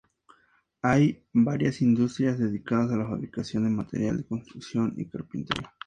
Hay varias industrias dedicadas a la fabricación de material de construcción y carpintería.